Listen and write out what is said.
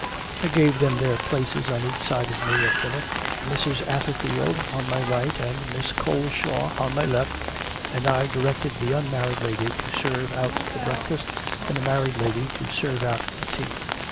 I gave them their places on each side of me at dinner, Mrs. Atherfield on my right and Miss Coleshaw on my left; and I directed the unmarried lady to serve out the breakfast, and the married lady to serve out the tea.